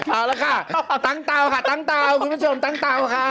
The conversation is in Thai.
เอาละค่ะตั้งเตาค่ะตั้งเตาคุณผู้ชมตั้งเตาค่ะ